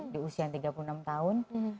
di usia tiga puluh enam tahun